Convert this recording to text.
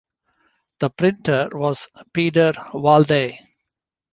The printer was Peder Walde.